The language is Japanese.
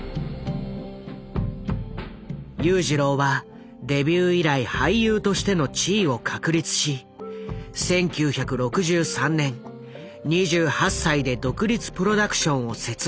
裕次郎はデビュー以来俳優としての地位を確立し１９６３年２８歳で独立プロダクションを設立する。